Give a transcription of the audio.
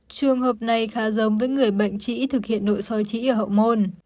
trường hợp này khá giống với người bệnh trĩ thực hiện nội soi trĩ ở hậu môn